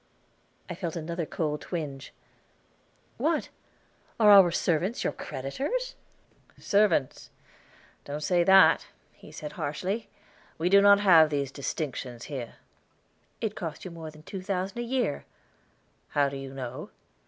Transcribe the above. I felt another cold twinge. "What! are our servants your creditors?" "Servants don't say that," he said harshly; "we do not have these distinctions here." "It costs you more than two thousand a year." "How do you know?"